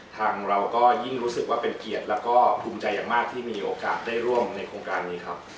ทางเราก็ยิ่งรู้สึกว่าเป็นเกียรติแล้วก็ภูมิใจอย่างมากที่มีโอกาสได้ร่วมในโครงการนี้ครับ